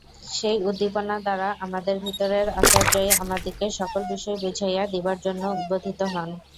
সেই উদ্দীপনা দ্বারা আমাদের ভিতরের আচার্যই আমাদিগকে সকল বিষয় বুঝাইয়া দিবার জন্য উদ্বোধিত হন।